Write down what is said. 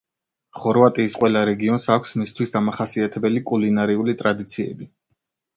ხორვატიის ყველა რეგიონს აქვს მისთვის დამახასიათებელი კულინარიული ტრადიციები.